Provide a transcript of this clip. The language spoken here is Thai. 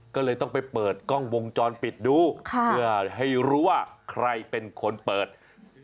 ก็เลยต้องไปเปิดกล้องวงจรปิดดูเพื่อให้รู้ว่าใครเป็นคนเปิด